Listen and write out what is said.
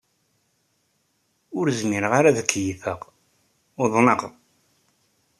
Ur zmireɣ ad keyyfeɣ. Uḍneɣ.